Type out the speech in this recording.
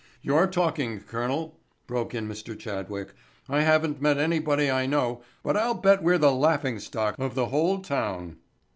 "You're talking, colonel," broke in Mr. Chadwick. "I haven't met anybody I know, but I'll bet we're the laughing stock of the whole town."